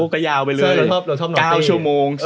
ก็ยาวไปเลย๙ชั่วโมง๑๐ชั่วโมง